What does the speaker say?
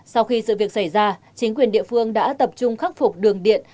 sau khi sự việc xảy ra chính quyền địa phương đã tập trung khắc phục đường điện